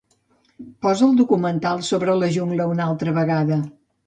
Posa el documental sobre la jungla una altra vegada.